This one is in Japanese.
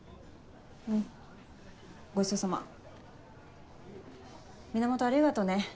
んごちそうさま。源ありがとね。